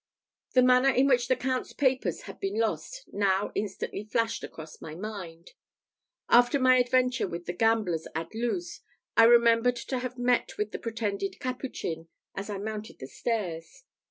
The manner in which the Count's papers had been lost now instantly flashed across my mind. After my adventure with the gamblers at Luz I remembered to have met with the pretended capuchin as I mounted the stairs.